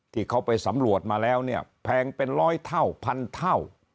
ที่เขาไปสำรวจมาแล้วเนี่ยแพงเป็นร้อยเท่าพันเท่า